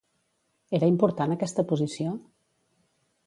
Era important aquesta posició?